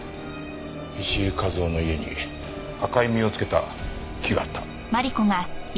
石井和夫の家に赤い実をつけた木があった。